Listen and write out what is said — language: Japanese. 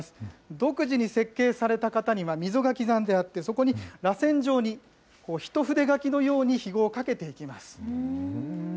独自に設計された型には、溝が刻んであって、そこにらせん状に、一筆書きのように、ひごをかけていきます。